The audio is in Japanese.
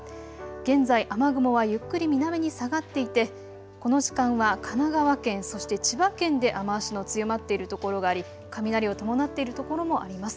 現在、雨雲はゆっくり南に下がっていてこの時間は神奈川県、そして千葉県で雨足の強まっている所があり雷を伴っている所もあります。